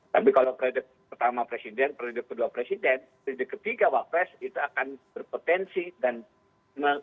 tapi kalau periode pertama presiden periode kedua presiden periode ketiga wapres itu akan berpotensi dan menghilangkan pasal delapan